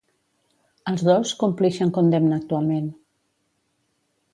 Els dos complixen condemna actualment.